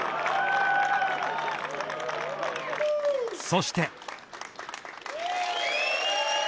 そして。